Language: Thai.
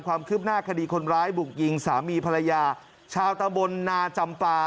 ความคืบหน้าคดีคนร้ายบุกยิงสามีภรรยาชาวตะบนนาจำปา